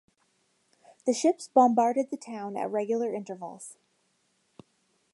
The ships bombarded the town at regular intervals.